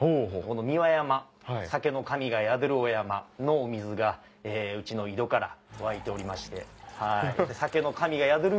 三輪山酒の神が宿るお山のお水がうちの井戸から湧いておりまして。